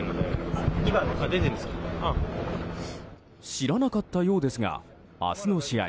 知らなかったようですが明日の試合